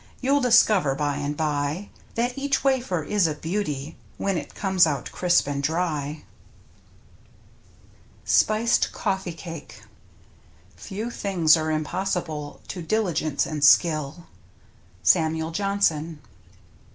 You'll discover by and by That each wafer is a beauty When it comes out crisp and dry. SPICED COFFEE CAKE Few things are impossible to diligence and skill. — Samuel Johnson.